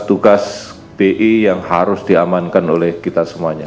tugas bi yang harus diamankan oleh kita semuanya